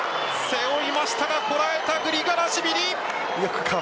背負いましたがこらえたグリガラシビリ。